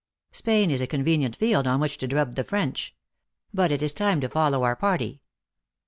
Spain is a convenient field on which to drub the French. But it is time to follow our party."